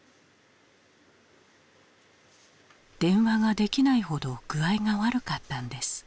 「電話ができないほど具合が悪かったんです」。